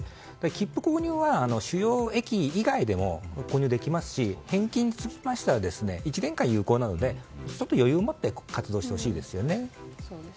切符購入は主要駅以外でも購入できますし返金につきましては１年間有効なので余裕を持って活動してほしいですね。